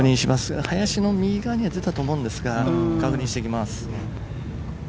林の右側には出たと思いますが確認してきます。